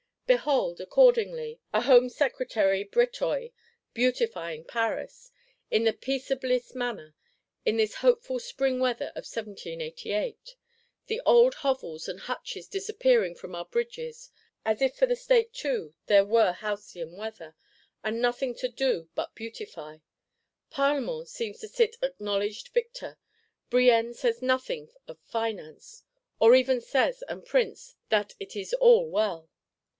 Behold, accordingly, a Home Secretary Bréteuil "beautifying Paris," in the peaceablest manner, in this hopeful spring weather of 1788; the old hovels and hutches disappearing from our Bridges: as if for the State too there were halcyon weather, and nothing to do but beautify. Parlement seems to sit acknowledged victor. Brienne says nothing of Finance; or even says, and prints, that it is all well.